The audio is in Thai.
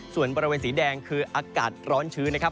ส่วนบริเวณสีแดงคืออากาศร้อนชื้นนะครับ